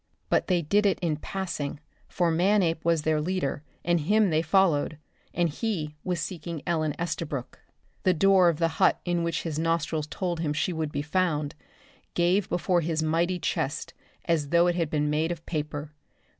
But they did it in passing, for Manape was their leader, and him they followed and he was seeking Ellen Estabrook. The door of the hut in which his nostrils told him she would be found, gave before his mighty chest as though it had been made of paper.